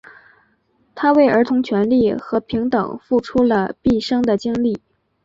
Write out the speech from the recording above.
他为儿童权利和平等付出了毕生的精力。